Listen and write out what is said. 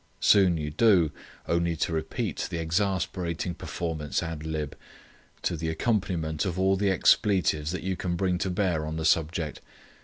Soon you do, only to repeat the exasperating performance ad lib., to the accompaniment of all the expletives that you can bring to bear on the subject.